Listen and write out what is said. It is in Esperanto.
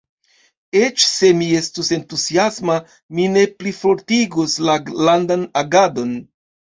Eĉ se mi estus entuziasma, mi ne plifortigus la landan agadon.